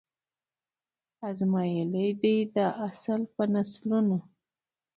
آزمیېلی دی دا اصل په نسلونو